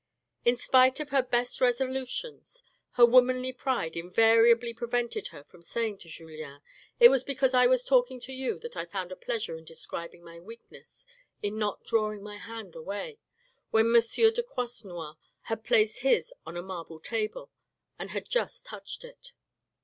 In spite of her best resolutions her womanly pride invariably prevented her from saying to Julien, " It was because I was talking to you that I found a pleasure in describing my weakness in not drawing my hand away, when M. de Croisenois had placed his on a marble table and had just touched it."